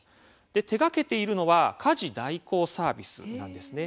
手がけているのは家事代行サービスなんです。